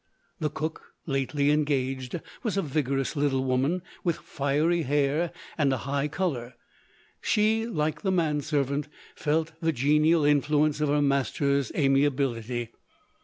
The cook lately engaged was a vigourous little woman, with fiery hair and a high colour. She, like the man servant, felt the genial influence of her master's amiability.